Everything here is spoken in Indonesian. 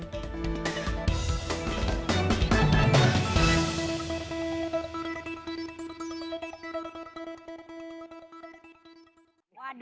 waduh pak menteri